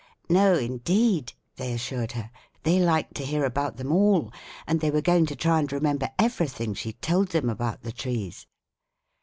"No indeed!" they assured her; "they liked to hear about them all, and they were going to try and remember everything she told them about the trees."